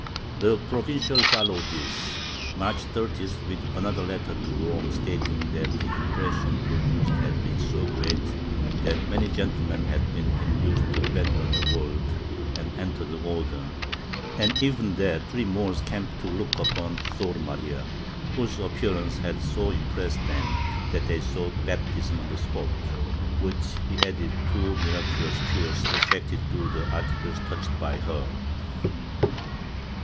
^ The Provincial followed this, March 30th, with another letter to Rome stating that the impression produced had been so great that many gentlemen had been induced to abandon the world and enter the Order, and even that three Moors had come to look upon Sor Maria, whose appearance had so impressed them that they sought baptism on the spot — to which he added two miraculous cures effected through articles touched by her.